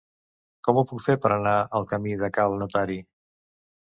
Com ho puc fer per anar al camí de Cal Notari?